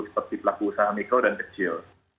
seperti pelaku usaha mikro dan kecil